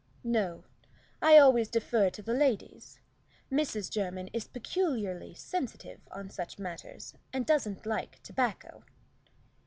"No, I always defer to the ladies. Mrs. Jermyn is peculiarly sensitive in such matters, and doesn't like tobacco."